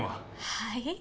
はい？